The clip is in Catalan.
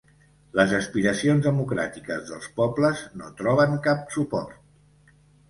Les aspiracions democràtiques dels pobles no troben cap suport